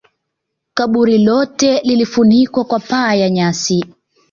Kaburi lote lilifunikwa kwa paa ya nyasi